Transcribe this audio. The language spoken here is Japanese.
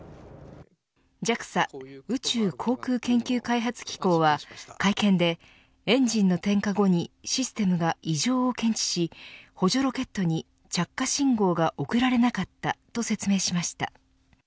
ＪＡＸＡ宇宙航空研究開発機構は会見で、エンジンの点火後にシステムが異常を検知し補助ロケットに着火信号が送られなかったと説明しました。